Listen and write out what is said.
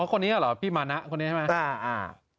คนนี้เหรอพี่มานะคนนี้ใช่ไหม